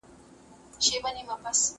روښانه فکر وخت نه خرابوي.